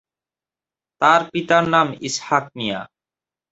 তার পিতার নাম ইসহাক মিয়া।